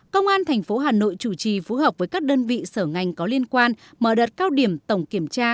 công an thành phố hà nội chủ trì phù hợp với các đơn vị sở ngành có liên quan mở đợt cao điểm tổng kiểm tra